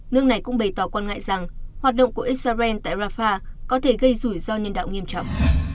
nước này cũng bày tỏ quan ngại rằng hoạt động của israel tại rafah có thể gây rủi ro nhân đạo nghiêm trọng